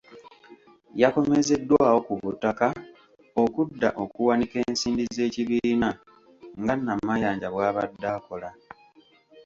Yakomezeddwawo ku butaka okudda okuwanika ensimbi z’ekibiina nga Namayanja bw’abadde akola.